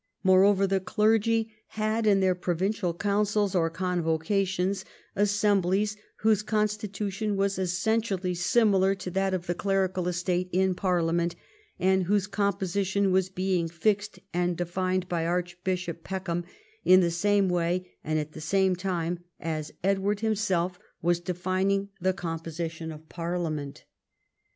iNIoreover, the clergy had in their provincial councils or convocations assemblies whose constitution was essentially similar to that of the clerical estate in par liament, and whose composition was being fixed and defined by Archbishop Peckham, in the same way and at the same time as Edward himself was defining the composition of parliament.